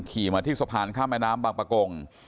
ขี่มาที่สะพานข้ามแม่น้ำบางประกง